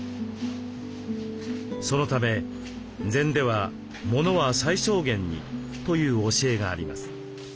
そのため禅では「物は最小限に」という教えがあります。